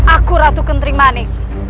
aku ratu kendrimani